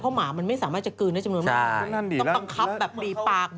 เพราะหมามันไม่สามารถจะกลืนได้จำนวนมากใช่นั่นดีแล้วต้องตังคับแบบบีปาก